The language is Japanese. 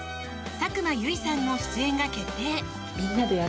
佐久間由衣さんの出演が決定。